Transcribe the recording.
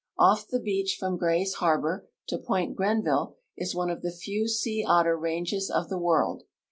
Off' the beach from Gray's harbor to ])oint Grenville is one of the few sea otter ranges of the world.